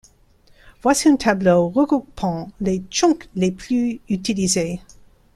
Voici un tableau regroupant les chunks les plus utilisés.